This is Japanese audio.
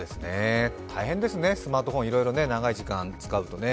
大変ですね、スマートフォン長い時間いろいろ使うとね。